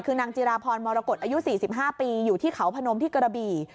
คือนางจิราพรมรกฏอายุ๔๕ปีอยู่ที่เขาพนมที่กระบี่